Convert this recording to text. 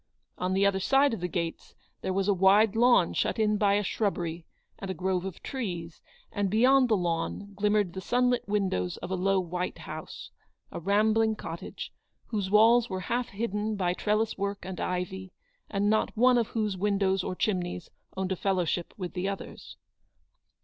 On the other side of the gates there was a wide lawn shut in by a shrubbery and a grove of trees, and beyond the lawn glimmered the sunlit windows of a low white house ; a rambling cottage, whose walls were half hidden by trellis work and ivy, and not one of whose windows or chimneys owned a fellowship with the others.